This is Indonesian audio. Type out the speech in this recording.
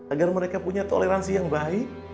agar mereka punya toleransi yang baik